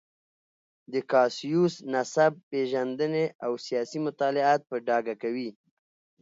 د کاسیوس نسب پېژندنې او سیاسي مطالعات په ډاګه کوي.